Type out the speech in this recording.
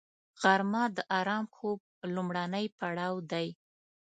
غرمه د آرام خوب لومړنی پړاو دی